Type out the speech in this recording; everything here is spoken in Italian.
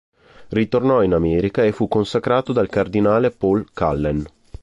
Ritornò in America e fu consacrato dal cardinale Paul Cullen.